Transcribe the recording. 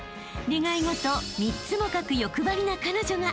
願い事３つも書く欲張りな彼女が］